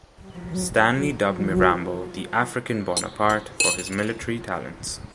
Stanley dubbed Mirambo "the African Bonaparte" for his military talents.